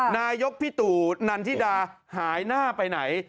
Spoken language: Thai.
นายกพี่ตู่นันทิดาหายหน้าไปไหน